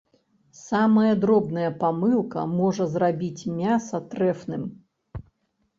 Самая дробная памылка можа зрабіць мяса трэфным.